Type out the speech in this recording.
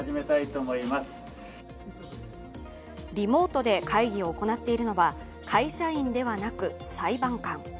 リモートで会議を行っているのは、会社員ではなく裁判官。